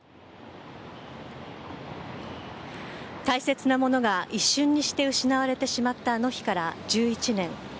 大切なものが一瞬にして失われてしまったあの日から１１年。